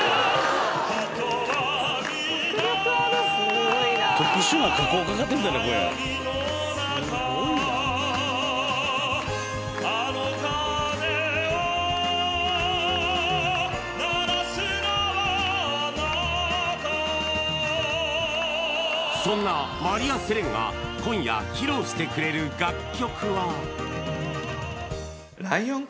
すごい迫力ある特殊な加工かかってるみたいな声やなすごいなそんなマリアセレンが今夜披露してくれる楽曲は？